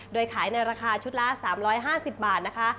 โดยขายในราคาชุดละ๓๕๐บาทนะคะ